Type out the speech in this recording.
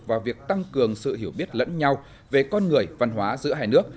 vào việc tăng cường sự hiểu biết lẫn nhau về con người văn hóa giữa hai nước